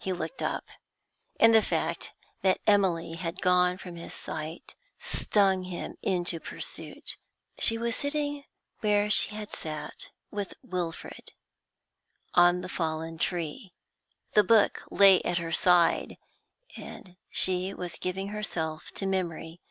He looked up, and the fact that Emily had gone from his sight stung him into pursuit. She was sitting where she had sat with Wilfrid, on the fallen tree; the book lay at her side, and she was giving herself to memory.